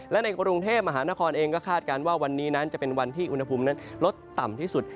และในกรุงเทพมหานครเองก็คาดการณ์ว่าวันนี้นั้นจะเป็นวันที่อุณหภูมินั้นลดต่ำที่สุด